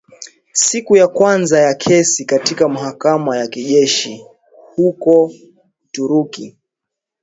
Siku ya kwanza ya kesi katika mahakama ya kijeshi huko Ituri